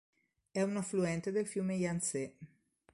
È un affluente del fiume Yangtze.